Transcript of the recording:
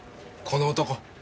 この男。